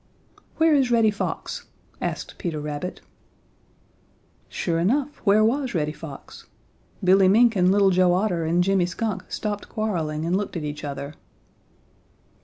"Where is Reddy Fox?" asked Peter Rabbit. Sure enough, where was Reddy Fox? Billy Mink and Little Joe Otter and Jimmy Skunk stopped quarreling and looked at each other.